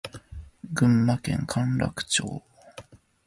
群馬県甘楽町